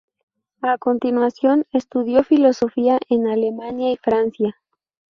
A continuación, estudió Filosofía en Alemania y Francia.